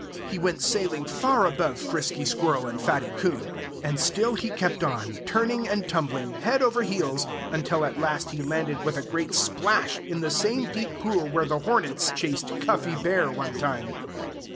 He went sailing far above Frisky Squirrel and Fatty Coon; and still he kept on, turning and tumbling, head over heels, until at last he landed with a great splash in the same deep pool where the hornets chased Cuffy Bear one time.